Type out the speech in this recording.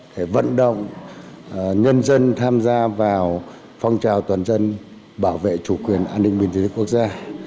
để vận động nhân dân tham gia vào phong trào toàn dân bảo vệ chủ quyền an ninh biên giới quốc gia